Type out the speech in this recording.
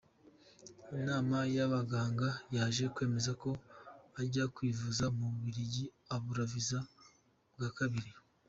Inama y’abaganga yaje kwemeza ko ajya kwivuriza mu Bubiligi abura visa bwa kabiri.